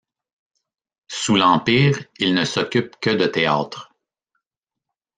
Sous l’Empire, il ne s’occupe que de théâtre.